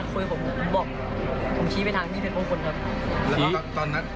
กระตุกเมื่อยครับเหลี่ยมเมื่อยครับ